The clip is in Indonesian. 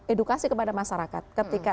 edukasi kepada masyarakat ketika